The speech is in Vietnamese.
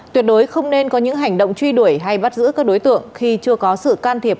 tuyệt đối không nên có những hành động truy đuổi hay bắt giữ các đối tượng khi chưa có sự can thiệp